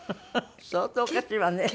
相当おかしいわね。